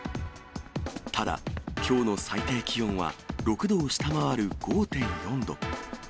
ただ、きょうの最低気温は６度を下回る５．４度。